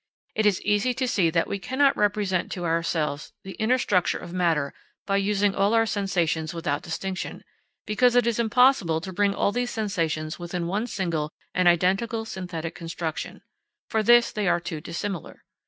It is easy to see that we cannot represent to ourselves the inner structure of matter by using all our sensations without distinction, because it is impossible to bring all these sensations within one single and identical synthetic construction: for this they are too dissimilar.